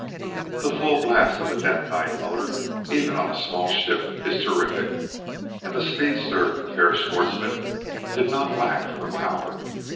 The full blast of a detonite motor, on even a small ship, is terrific, and the speedster of Herr Schwartzmann did not lack for power.